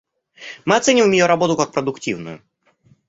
Мы оцениваем ее работу как продуктивную.